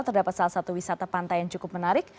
terdapat salah satu wisata pantai yang cukup menarik